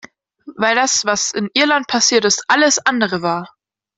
Weil das, was in Irland passiert ist, alles andere war!